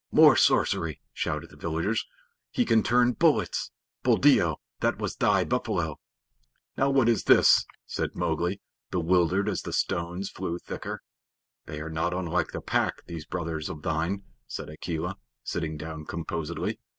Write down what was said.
"More sorcery!" shouted the villagers. "He can turn bullets. Buldeo, that was thy buffalo." "Now what is this?" said Mowgli, bewildered, as the stones flew thicker. "They are not unlike the Pack, these brothers of thine," said Akela, sitting down composedly.